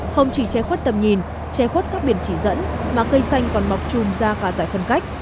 không chỉ che khuất tầm nhìn che khuất các biển chỉ dẫn mà cây xanh còn mọc trùm ra cả giải phân cách